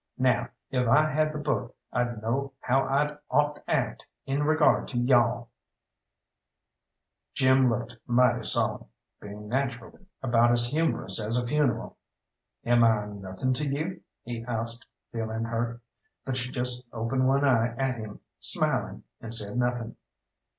Now, if I had the book I'd know how I'd ought to act in regard to you all." Jim looked mighty solemn, being naturally about as humorous as a funeral. "Am I nothing to you?" he asked, feeling hurt; but she just opened one eye at him, smiling, and said nothing.